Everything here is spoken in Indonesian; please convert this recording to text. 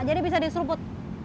jadi bisa diseruput